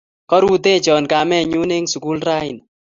Karutochon kamennyu eng' sukul rani